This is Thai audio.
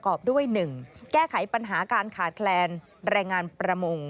อบด้วย๑แก้ไขปัญหาการขาดแคลนแรงงานประมง